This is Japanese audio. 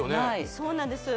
そうなんです